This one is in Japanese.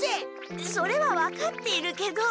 それは分かっているけど。